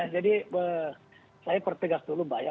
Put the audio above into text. jadi saya perpegas dulu mbak ya